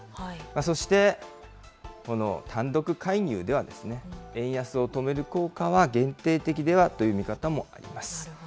そして、この単独介入では、円安を止める効果は限定的ではという見方もあります。